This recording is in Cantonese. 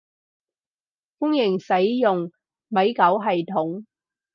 歡迎使用米狗系統